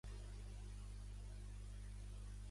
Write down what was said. Ramón Puig de Ramón va ser un jutge militar nascut a Tortosa.